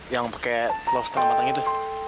yang pakai telur setengah matang itu